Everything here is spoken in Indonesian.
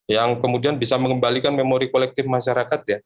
yang kemudian bisa mengembalikan memori kolektif masyarakat ya